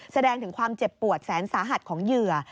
แสดงถึงความเจ็บปวดแสนสาหัสของเหยื่อ